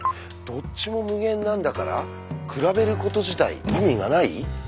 「どっちも無限なんだから比べること自体意味がない」？